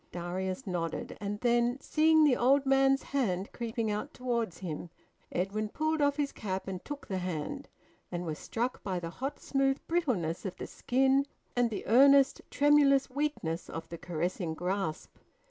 Darius nodded; and then, seeing the old man's hand creeping out towards him, Edwin pulled off his cap and took the hand, and was struck by the hot smooth brittleness of the skin and the earnest tremulous weakness of the caressing grasp.